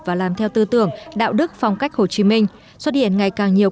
và làm theo tư tưởng đạo đức phong cách hồ chí minh xuất hiện ngày càng nhiều